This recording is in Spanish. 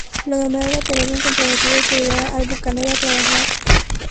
Lo normal era tener un comprometido que ayudara al bucanero a trabajar.